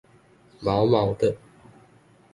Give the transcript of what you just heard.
毛毛的